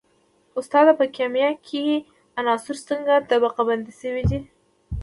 استاده په کیمیا کې عناصر څنګه طبقه بندي شوي دي